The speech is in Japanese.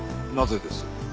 なぜです？